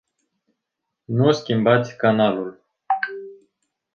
Nu schimbați canalul.